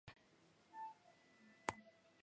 სერია დიდი პოპულარობით სარგებლობს.